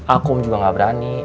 akum juga gak berani